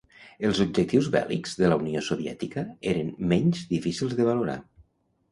Els objectius bèl·lics de la Unió Soviètica eren menys difícils de valorar.